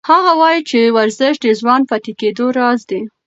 هغه وایي چې ورزش د ځوان پاتې کېدو راز دی.